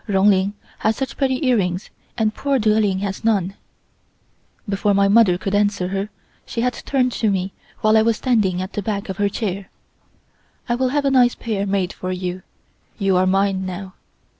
Roonling has such pretty earrings and poor Derling has none." Before my mother could answer her she had turned to me while I was standing at the back of her chair: "I will have a nice pair made for you. You are mine now."